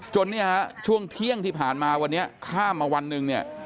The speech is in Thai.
จนช่วงเที่ยงที่ผ่านมาวันนี้ข้ามมาวันหนึ่ง